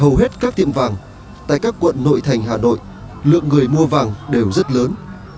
hầu hết các tiệm vàng tại các quận nội thành hà nội lượng người mua vàng đều rất lớn